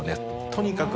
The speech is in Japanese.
とにかく。